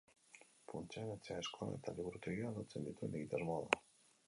Funtsean, etxea, eskola eta liburutegia lotzen dituen egitasmoa da.